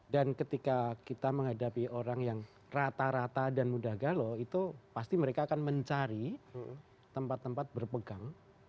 dan ketika kita menghadapi orang yang rata rata dan mudah galau itu pasti mereka akan mencari tempat tempat berpegang